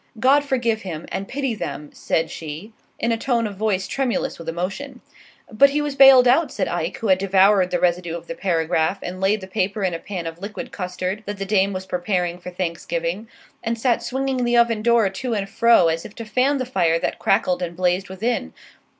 "God forgive him, and pity them!" said she, in a tone of voice tremulous with emotion. "But he was bailed out," said Ike, who had devoured the residue of the paragraph, and laid the paper in a pan of liquid custard that the dame was preparing for Thanksgiving, and sat swinging the oven door to and fro as if to fan the fire that crackled and blazed within.